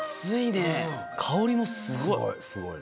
香りもすごい。